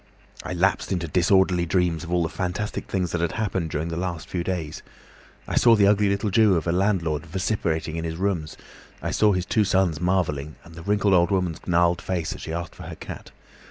I lapsed into disorderly dreams of all the fantastic things that had happened during the last few days. I saw the ugly little Jew of a landlord vociferating in his rooms; I saw his two sons marvelling, and the wrinkled old woman's gnarled face as she asked for her cat.